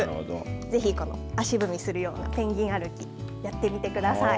ぜひこの足踏みするようなペンギン歩き、やってみてください。